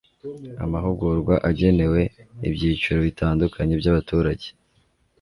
amahugurwa agenewe ibyiciro bitandukanye by'abaturage